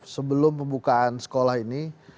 sebelum pembukaan sekolah ini